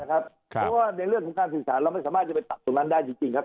เพราะว่าในเรื่องของการสื่อสารเราไม่สามารถจะไปปรับตรงนั้นได้จริงครับ